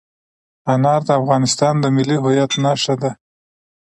انار د افغانستان د ملي هویت نښه ده.